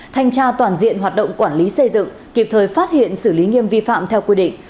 thanh tra toàn diện hoạt động quản lý xây dựng kịp thời phát hiện xử lý nghiêm vi phạm theo quy định